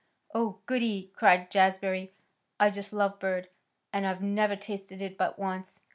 "Oh, goody!" cried Jazbury, "I just love bird, and I've never tasted it but once.